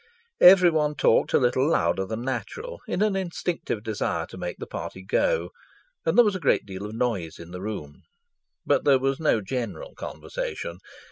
Everyone talked a little louder than natural in an instinctive desire to make the party go, and there was a great deal of noise in the room. But there was no general conversation.